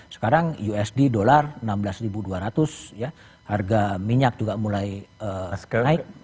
sekarang usd rp enam belas dua ratus harga minyak juga mulai naik